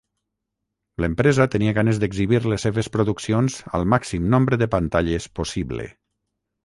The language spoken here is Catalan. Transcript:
L'empresa tenia ganes d'exhibir les seves produccions al màxim nombre de pantalles possible.